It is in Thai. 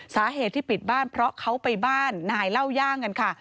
สาเหตุที่ปิดบ้านเพราะเขาไปบ้านนายเล่าย่างกันค่ะ